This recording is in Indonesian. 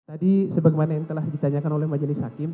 tadi sebagaimana yang telah ditanyakan oleh majelis hakim